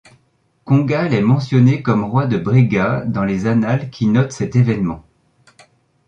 Congal est mentionné comme roi de Brega dans les annales qui notent cet evênement.